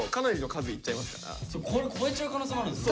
これ超えちゃう可能性もあるんですね。